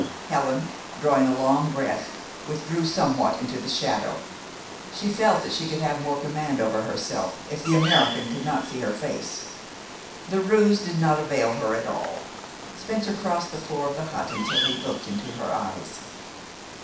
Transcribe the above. Helen, drawing a long breath, withdrew somewhat into the shadow. She felt that she would have more command over herself if the American could not see her face. The ruse did not avail her at all. Spencer crossed the floor of the hut until he looked into her eyes.